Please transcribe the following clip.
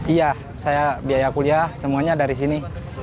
iya saya biaya kuliah semuanya dari sini